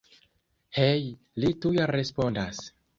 Hej, li tuj respondas.